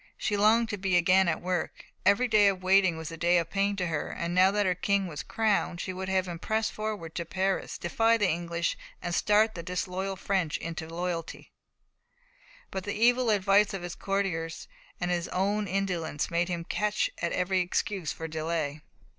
She longed to be again at work. Every day of waiting was a day of pain to her. Now that her King was crowned, she would have him press forward to Paris, defy the English, and startle the disloyal French into loyalty; but the evil advice of his courtiers and his own indolence made him catch at every excuse for delay.